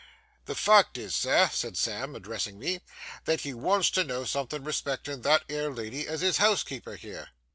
The fact is, sir,' said Sam, addressing me, 'that he wants to know somethin' respectin' that 'ere lady as is housekeeper here.